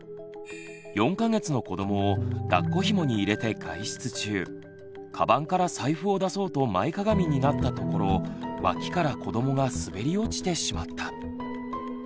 ４か月の子どもをだっこひもに入れて外出中かばんから財布を出そうと前かがみになったところ脇から子どもが滑り落ちてしまった。